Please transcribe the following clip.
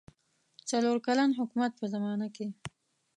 څلور کلن حکومت په زمانه کې.